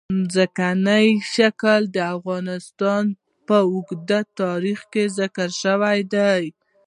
ځمکنی شکل د افغانستان په اوږده تاریخ کې ذکر شوی دی.